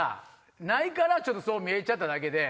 ないからそう見えちゃっただけで。